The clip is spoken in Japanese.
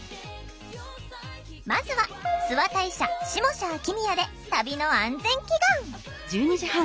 まずは諏訪大社下社秋宮で旅の安全祈願。